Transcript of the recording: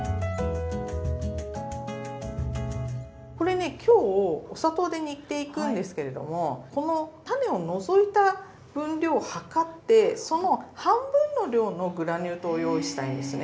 これね今日お砂糖で煮ていくんですけれどもこの種を除いた分量を量ってその半分の量のグラニュー糖を用意したいんですね。